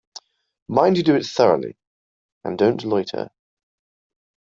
Mind you do it thoroughly, and don't loiter.